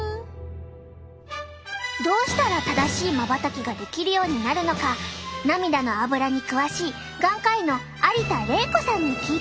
どうしたら正しいまばたきができるようになるのか涙のアブラに詳しい眼科医の有田玲子さんに聞いてみよう！